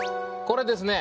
これですね